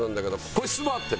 個室もあってね